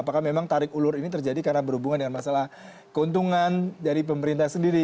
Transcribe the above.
apakah memang tarik ulur ini terjadi karena berhubungan dengan masalah keuntungan dari pemerintah sendiri